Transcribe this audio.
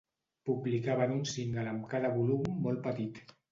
Publicaven un single amb cada volum molt petit.